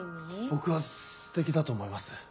僕はステキだと思います。